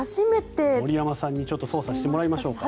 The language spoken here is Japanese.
森山さんに操作してもらいましょうか。